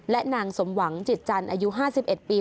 และนางสมหวังจิตจันทร์อายุ๕๑ปี